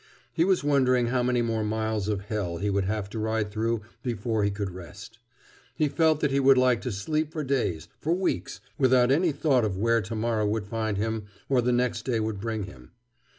He was wondering how many more miles of hell he would have to ride through before he could rest. He felt that he would like to sleep for days, for weeks, without any thought of where to morrow would find him or the next day would bring him.